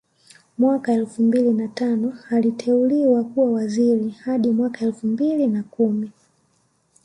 Mwaka elfu mbili na tano aliteuliwa kuwa waziri hadi mwaka elfu mbili na kumi